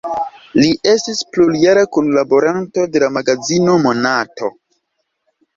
Li estis plurjara kunlaboranto de la magazino "Monato".